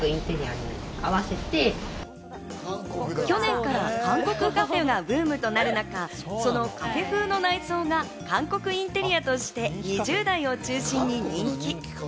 去年から韓国カフェがブームとなる中、そのカフェ風の内装が韓国インテリアとして２０代を中心に人気。